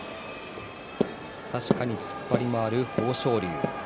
確かに突っ張りもある豊昇龍。